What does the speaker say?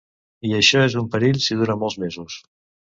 I això és un perill si dura molts mesos.